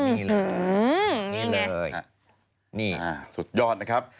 นี่เลยนี่เลยนี่สุดยอดนะครับ